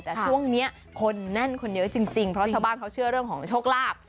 แต่ช่วงนี้คนแน่นคนเยอะจริงเพราะชาวบ้านเขาเชื่อเรื่องของโชคลาภ